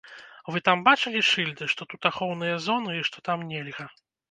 Вы там бачылі шыльды, што тут ахоўныя зоны і што там нельга?